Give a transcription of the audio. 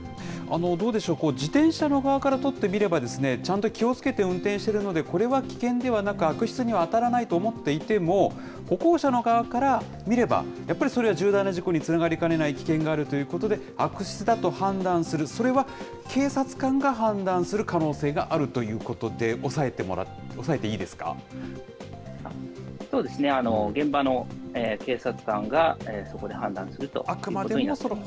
どうでしょう、自転車の側からとってみれば、ちゃんと気をつけて運転してるので、これは危険ではなく、悪質には当たらないと思っていても、歩行者の側から見れば、やっぱりそれは重大な事故につながりかねない危険があるということで、悪質だと判断する、それは警察官が判断する可能性があるということで押さえていいでそうですね、現場の警察官がそこで判断するということになっています。